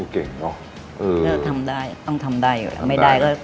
ถ้าทำได้ต้องทำได้อยู่